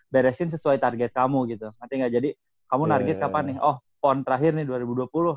beresin sesuai target kamu gitu artinya jadi kamu target kapan nih oh pon terakhir nih dua ribu dua puluh